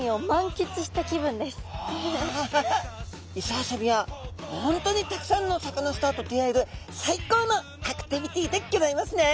磯遊びは本当にたくさんのサカナスターと出会える最高のアクティビティでギョざいますね。